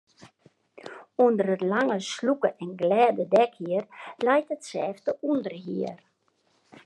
Under it lange, slûke en glêde dekhier leit it sêfte ûnderhier.